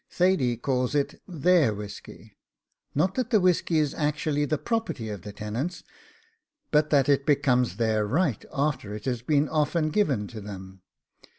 Thady calls it THEIR whisky; not that the whisky is actually the property of the tenants, but that it becomes their RIGHT after it has been often given to them.